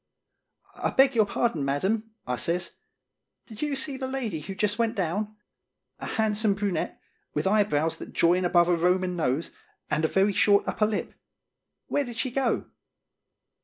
"I beg your pardon, Madam," I says; "did you see the lady who just went down? A handsome brunette, with eyebrows that join above a Roman nose, and a very short upper lip. Where did she go?"